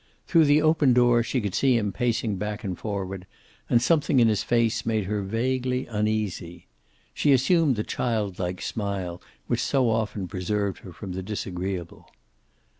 Through the open door she could see him pacing back and forward and something in his face made her vaguely uneasy. She assumed the child like smile which so often preserved her from the disagreeable.